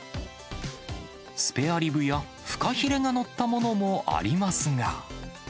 スペアリブやフカヒレが載ったものもありますが。